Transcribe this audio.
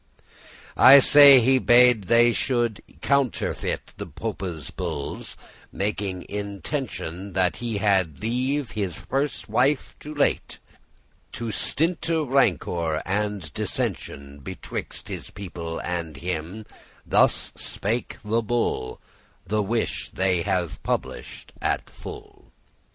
* *wished I say he bade they shoulde counterfeit The Pope's bulles, making mention That he had leave his firste wife to lete,* *leave To stinte* rancour and dissension *put an end to Betwixt his people and him: thus spake the bull, The which they have published at full.